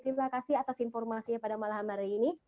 terima kasih atas informasinya pada malam hari ini